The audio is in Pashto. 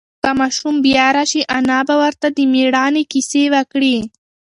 که ماشوم بیا راشي، انا به ورته د مېړانې قصې وکړي.